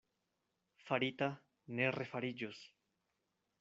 Farita ne refariĝos.